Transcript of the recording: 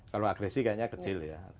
kalau agresi kayaknya kecil ya